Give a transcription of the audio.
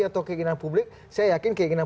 atau keinginan publik saya yakin keinginan